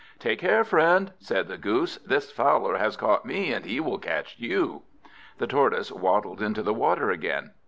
"Take care, friend!" said the Goose. "This Fowler has caught me, and he will catch you!" The Tortoise waddled into the water again.